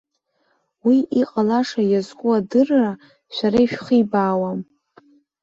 Уи иҟалаша иазку адырра, шәара ишәхибаауам.